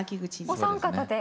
お三方で？